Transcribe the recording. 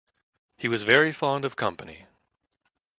He was very fond of company.